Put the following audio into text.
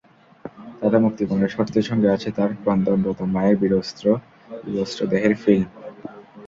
তাতে মুক্তিপণের শর্তের সঙ্গে আছে তার ক্রন্দনরত মায়ের বিবস্ত্র দেহের ফিল্ম।